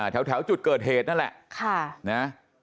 แถวจุดเกิดเหตุนั่นแหละ